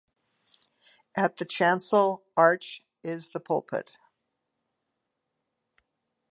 At the chancel arch is the pulpit.